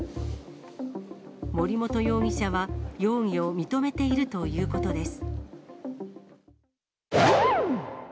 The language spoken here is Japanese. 森本容疑者は、容疑を認めているということです。